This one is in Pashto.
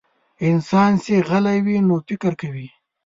انسان چې غلی وي، نو فکر کوي.